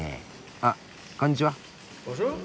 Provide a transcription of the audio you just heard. あっこんにちは。